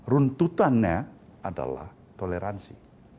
runtutannya adalah toleransi